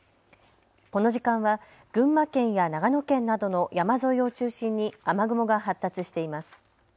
この時間は群馬県や長野県などの山沿いを中心に雨雲が発達しています。